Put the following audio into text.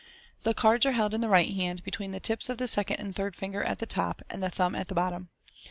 The cards are held in the right hand, between the Fig. 26. 38 MODERN MAGIC, tips of the second and third finger at the top, and the thumb at the bottom.